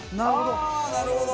ああーなるほど！